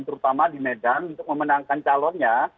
terutama di medan untuk memenangkan calonnya